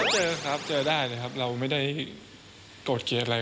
เจอครับเจอได้เลยครับเราไม่ได้โกรธเกลียดอะไร